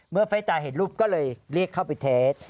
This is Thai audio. เมื่อฟ้ายตาเห็นรูปก็เลยเรียกเข้าไปเทส